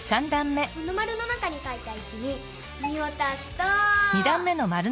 このまるのなかにかいた１に２をたすと。